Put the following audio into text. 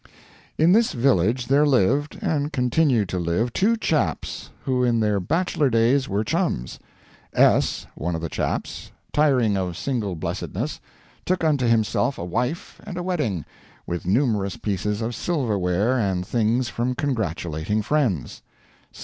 In this village there lived, and continue to live, two chaps who in their bachelor days were chums. S., one of the chaps, tiring of single blessedness, took unto himself a wife and a wedding, with numerous pieces of silverware and things from congratulating friends.